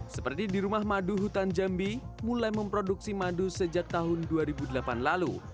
seperti di rumah madu hutan jambi mulai memproduksi madu sejak tahun dua ribu delapan lalu